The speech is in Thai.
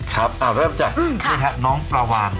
ครับเริ่มจากนี่ฮะน้องปลาวาน